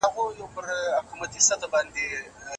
ښوونه او روزنه وکاروه ترڅو د هېواد په راتلونکي کې برخه واخلې.